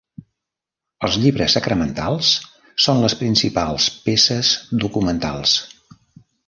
Els llibres sacramentals són les principals peces documentals.